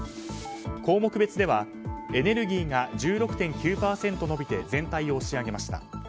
項目別ではエネルギーが１６．９％伸びて全体を押し上げました。